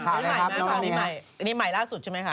ข่าวอะไรครับน้องนี่ใหม่ล่าสุดใช่ไหมคะ